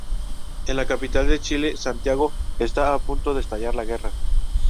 En la capital de Chile, Santiago, está a punto de estallar la guerra.